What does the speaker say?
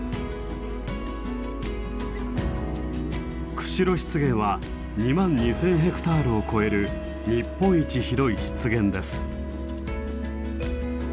釧路湿原は２万２，０００ヘクタールを超える日本一広い湿原です。